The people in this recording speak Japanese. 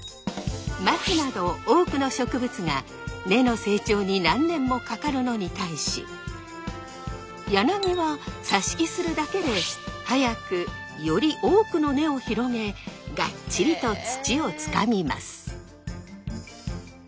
松など多くの植物が根の成長に何年もかかるのに対し柳は挿し木するだけで速くより多くの根を広げがっちりと土をつかみます。